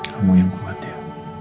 kamu yang kuat ya